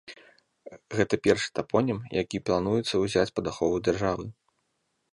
Гэта першы тапонім, які плануецца ўзяць пад ахову дзяржавы.